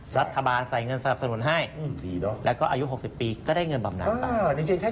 รัฐบาลใส่เงินสนับสนุนให้แล้วก็อายุ๖๐ปีก็ได้เงินบำนานไป